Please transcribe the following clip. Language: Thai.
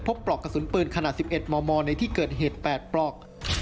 ปลอกกระสุนปืนขนาด๑๑มมในที่เกิดเหตุ๘ปลอก